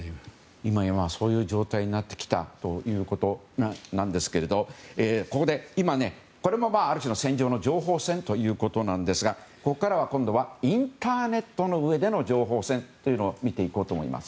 今やそういう状態になってきたということなんですけどここで今、これもある種の戦場の情報戦ということですがここからはインターネットのうえでの情報戦を見ていこうと思います。